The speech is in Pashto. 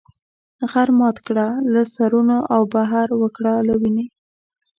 غر مات کړه له سرونو او بحر وکړه له وینې.